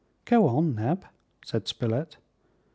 "Go on, Neb," said Spilett.